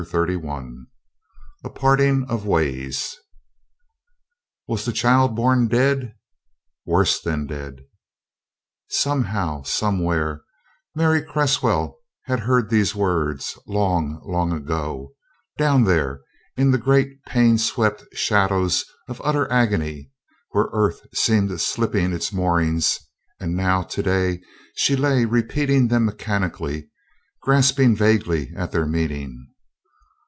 Thirty one A PARTING OF WAYS "Was the child born dead?" "Worse than dead!" Somehow, somewhere, Mary Cresswell had heard these words; long, long, ago, down there in the great pain swept shadows of utter agony, where Earth seemed slipping its moorings; and now, today, she lay repeating them mechanically, grasping vaguely at their meaning.